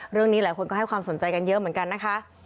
เรื่องนี้หลายคนก็ให้ความสนใจกันเยอะเหมือนกันนะคะ